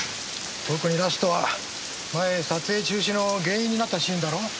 特にラストは前撮影中止の原因になったシーンだろ？